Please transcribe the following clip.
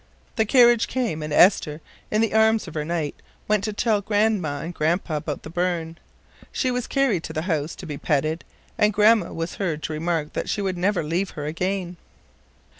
The carriage came, and Esther, in the arms of her knight, went to tell Grandma and Grandpa all about the burn. She was carried to the house to be petted, and Grandma was heard to remark that she never would leave her again.